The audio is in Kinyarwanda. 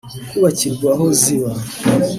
kubakirwa aho ziba